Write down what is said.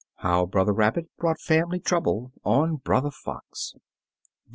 HOW BROTHER RABBIT BROUGHT FAMILY TROUBLE ON BROTHER FOX THE.